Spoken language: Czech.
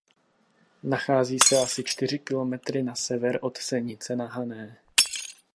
Nachází se asi čtyři kilometry na sever od Senice na Hané.